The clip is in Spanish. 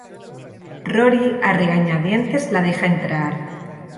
Rory a regañadientes la deja entrar.